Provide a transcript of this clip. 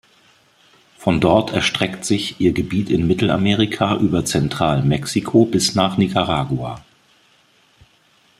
Von dort erstreckt sich ihr Gebiet in Mittelamerika über Zentral-Mexiko bis nach Nicaragua.